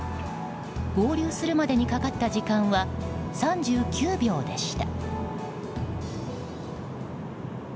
合流までにかかった時間は３９秒でした。